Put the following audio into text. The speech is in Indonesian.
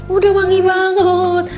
udah wangi banget